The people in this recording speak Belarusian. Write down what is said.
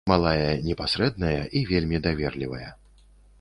Малая непасрэдная і вельмі даверлівая.